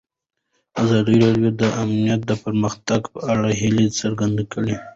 ازادي راډیو د امنیت د پرمختګ په اړه هیله څرګنده کړې.